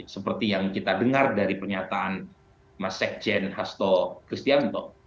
seperti yang kita dengar dari pernyataan mas sekjen hasto kristianto